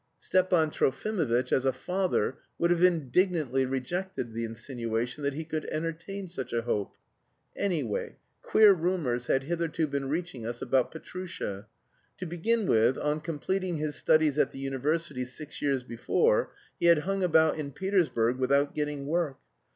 Stepan Trofimovitch as a father would have indignantly rejected the insinuation that he could entertain such a hope. Anyway queer rumours had hitherto been reaching us about Petrusha. To begin with, on completing his studies at the university six years before, he had hung about in Petersburg without getting work.